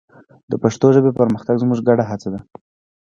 د پښتو ژبې پرمختګ زموږ ګډه هڅه ده.